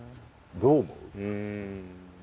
どう思う？